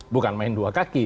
bukan main dua kaki